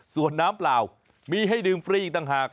ส่วนน้ำเปล่ามีให้ดื่มฟรีอีกต่างหาก